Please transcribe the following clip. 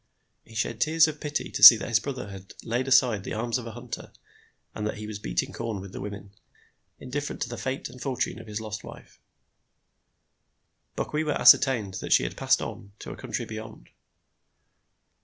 He shed tears of pity to see that his brother had laid aside the arms of a hunter, and that he was beating corn with the women, indifferent to the fate and the fortune of his lost wife. Bokwewa ascertained that she had passed on to a country beyond.